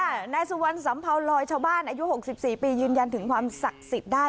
นายสุวรรณสัมเภาลอยชาวบ้านอายุ๖๔ปียืนยันถึงความศักดิ์สิทธิ์ได้